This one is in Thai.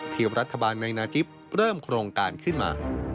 ที่รัฐบาลในนาจิปเริ่มโครงการขึ้นมา